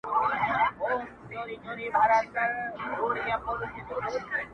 دلته لېونیو نن د عقل ښار نیولی دی،